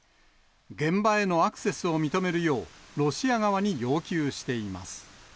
現場へのアクセスを認めるよう、ロシア側に要求しています。